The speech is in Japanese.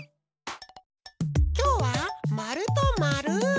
きょうはまるとまる。